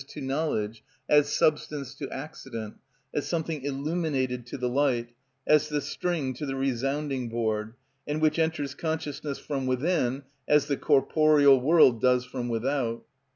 _, to knowledge, as substance to accident, as something illuminated to the light, as the string to the resounding board, and which enters consciousness from within as the corporeal world does from without.